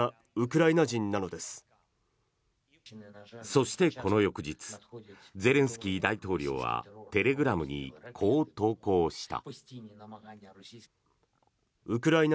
そして、この翌日ゼレンスキー大統領はテレグラムにこう投稿した。